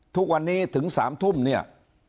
ทุกวันนี้ถึง๓ทุ่มเนี่ย